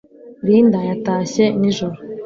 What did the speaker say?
linda yatashye nijoro